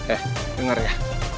eh denger ya